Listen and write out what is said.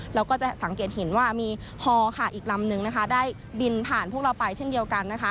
แล้วก็จะสังเกตเห็นว่ามีฮออีกลำนึงได้บินผ่านพวกเราไปเช่นเดียวกัน